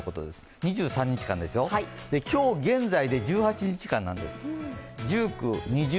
２３日間ですよ、今日現在で１８日間なんです。